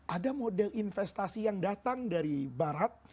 ada model investasi yang datang dari barat